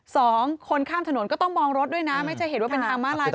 สองคนข้ามถนนก็ต้องมองรถด้วยนะไม่ใช่เห็นว่าเป็นทางมาลาย